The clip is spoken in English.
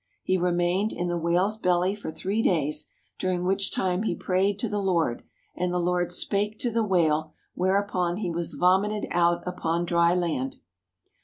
He remained in the whale's belly for three days, during which time he prayed to the Lord, and the Lord spake to the whale, whereupon he was vomited out upon dry land.